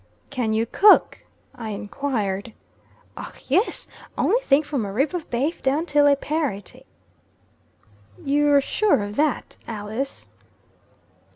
"Can you cook?" I enquired. "Och, yis! Ony thing, from a rib of bafe down till a parate." "You're sure of that, Alice?"